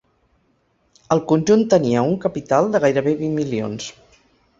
El conjunt tenia un capital de gairebé vint milions.